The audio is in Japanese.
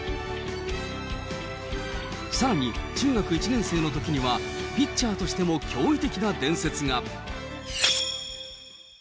さらに中学１年生のときには、ピッチャーとしても驚異的な伝説が。